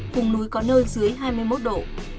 phùng núi có nơi dưới hai mươi một độ